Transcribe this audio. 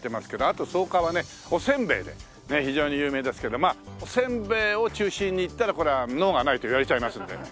あと草加はねおせんべいで非常に有名ですけどおせんべいを中心にいったらこれは能がないと言われちゃいますんで。